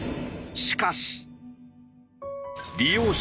しかし。